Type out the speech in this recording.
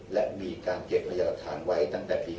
และมีการเก็บพยาบาทธานไว้ตั้งแต่ปี๑๙๕๗๑๙๕๙